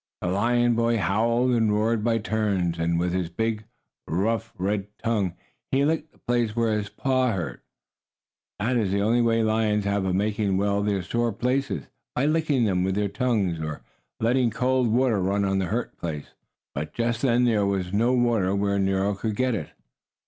The lion boy howled and roared by turns, and with his big, rough, red tongue, he licked the place where his paw hurt. That is the only way lions have of making well their sore places; by licking them with their tongues or letting cold water run on the hurt place. But just then there was no water where Nero could get it.